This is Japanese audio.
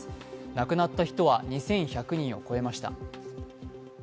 亡くなった人は２１００人を超えました。